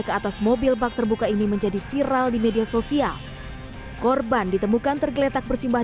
ke atas mobil bak terbuka ini menjadi viral di media sosial korban ditemukan tergeletak bersimbah